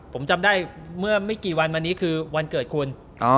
ผมจำได้เมื่อไม่กี่วันมานี้คือวันเกิดคุณ